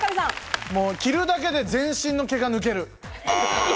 着るだけで全身の毛が抜ける。